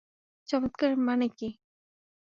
চমৎকারের মানে কী?